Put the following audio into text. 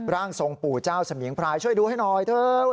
ร่างทรงปู่เจ้าเสมียงพรายช่วยดูให้หน่อยเถอะ